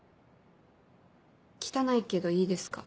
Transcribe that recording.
汚いけどいいですか？